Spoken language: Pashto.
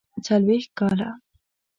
څلوېښت کاله.